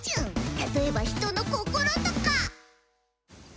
例えば人の心とか。